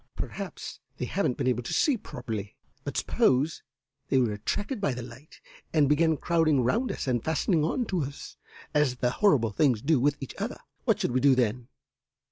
Perhaps they haven't been able to see properly, but suppose they were attracted by the light and began crowding round us and fastening on to us, as the horrible things do with each other. What should we do then?